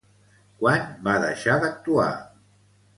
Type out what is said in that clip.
Quan va deixar d'actuar?